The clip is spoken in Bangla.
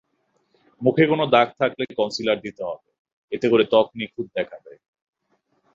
মুখে কোনো দাগ থাকলে কনসিলার দিতে হবে, এতে করে ত্বক নিখুঁত দেখাবে।